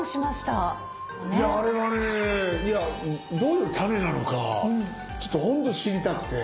いやあれはねどういうタネなのかちょっと本当知りたくて。